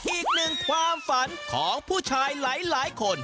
อีกหนึ่งความฝันของผู้ชายหลายคน